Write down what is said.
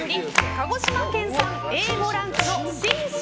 鹿児島県産Ａ５ランクの芯々